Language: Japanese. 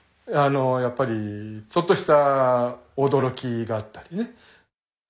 やっぱりちょっとした驚きがあったりね。